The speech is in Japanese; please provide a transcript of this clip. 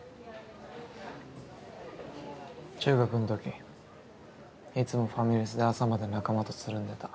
中学んときいつもファミレスで朝まで仲間とつるんでた。